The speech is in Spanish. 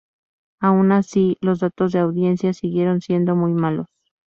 Aun así, los datos de audiencia siguieron siendo muy malos.